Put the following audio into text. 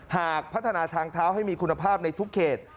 หากพัฒนาทางเท้าให้มีคุณภาพในทุกเขต